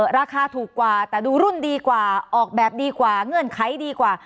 ราคาถูกกว่าแต่ดูรุ่นดีกว่าออกแบบดีกว่าเงื่อนไขดีกว่า